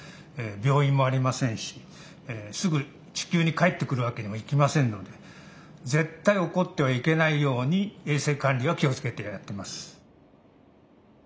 病院もありませんしすぐ地球に帰ってくるわけにもいきませんので絶対おこってはいけないように衛生管理は気を付けてやってます。